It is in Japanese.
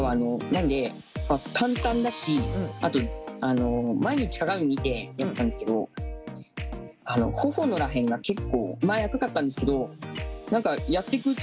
なんで簡単だしあと毎日鏡見てやってたんですけど頬のら辺が結構前赤かったんですけどあそう。